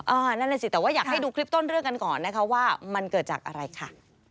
นั่นแหละสิแต่ว่าอยากให้ดูคลิปต้นเรื่องกันก่อนนะคะว่ามันเกิดจากอะไรค่ะ